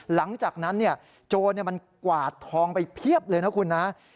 หลังจากนั้นโจรมันกวาดทองไปเพียบเลยนะคุณนะ